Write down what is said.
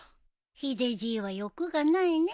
ヒデじいは欲がないね。